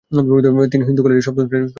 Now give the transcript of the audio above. তিনি হিন্দু কলেজে সপ্তম শ্রেনীতে ভর্তি হন।